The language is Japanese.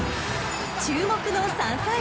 ［注目の３歳馬］